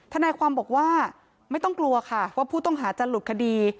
ทนายความบอกว่าไม่ต้องกลัวค่ะว่าผู้ต้องหาจะหลุดคดี